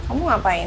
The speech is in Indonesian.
itu kamu ngapain